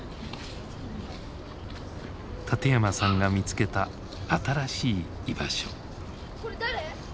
館山さんが見つけた新しい居場所。